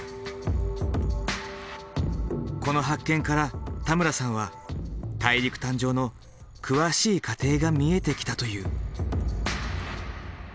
この発見から田村さんは大陸誕生の詳しい過程が見えてきたという。